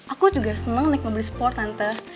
aku juga seneng naik mobil sport tante